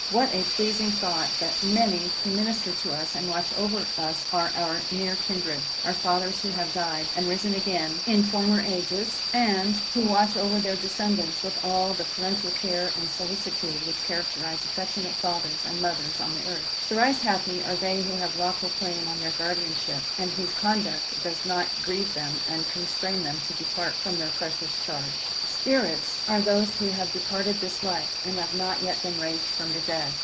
What a pleasing thought, that many who minister to us, and watch over us, are our near kindred our fathers who have died and risen again in former ages, and who watch over their descendants with all the parental care and solicitude which characterize affectionate fathers and mothers on the earth. Thrice happy are they who have lawful claim on their guardianship, and whose conduct does not grieve them, and constrain them to depart from their precious charge. SPIRITS are those who have departed this life, and have not yet been raised from the dead.